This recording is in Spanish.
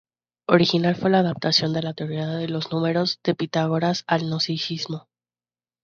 Original fue la adaptación de la teoría de los números de Pitágoras al gnosticismo.